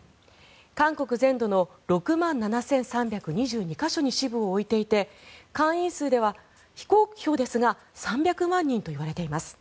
韓国全土の６万７３２２か所に支部を置いていて会員数は、非公表ですが３００万人といわれています。